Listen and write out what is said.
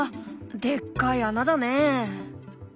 でっかい穴だね。